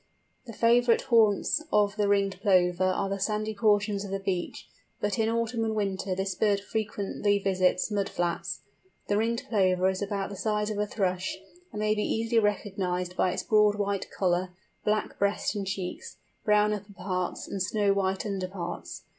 The favourite haunts of the Ringed Plover are the sandy portions of the beach; but in autumn and winter this bird frequently visits mud flats. The Ringed Plover is about the size of a Thrush, and may be easily recognised by its broad white collar, black breast and cheeks, brown upper parts, and snow white under parts.